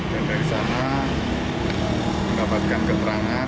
dan dari sana mendapatkan keterangan